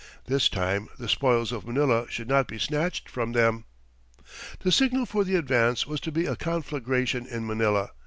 This time the spoils of Manila should not be snatched from them! The signal for the advance was to be a conflagration in Manila.